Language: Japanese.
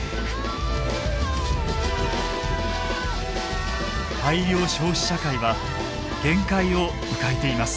大量消費社会は限界を迎えています。